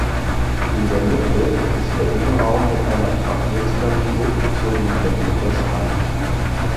In der Mitte ist der Innenraum mit einer trapezförmig hochgezogenen Decke überspannt.